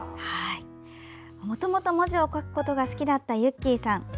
もともと文字を書くことが好きだった、ゆっきーさん。